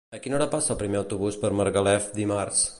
A quina hora passa el primer autobús per Margalef dimarts?